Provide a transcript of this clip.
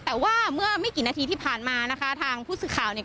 แต่ว่าเมื่อไม่กี่นาทีที่ผ่านมานะคะทางผู้สื่อข่าวเนี่ย